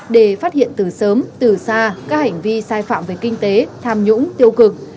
để phát hiện từ sớm từ xa các hành vi sai phạm về kinh tế tham nhũng tiêu cực